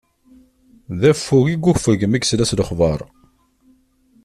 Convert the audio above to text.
D affug i yuffeg mi yesla s lexbaṛ.